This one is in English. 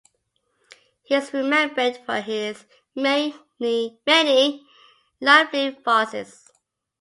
He is remembered for his many lively farces.